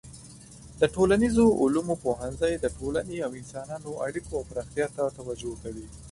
د ټولنیزو علومو پوهنځی د ټولنې او انسانانو اړیکو او پراختیا ته توجه کوي.